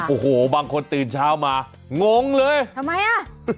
โอ้โหบางคนตื่นเช้ามางงเลยทำไมอ่ะ